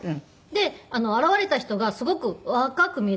で現れた人がすごく若く見えたので。